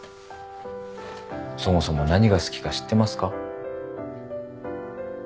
そもそも何が好きか知ってますか？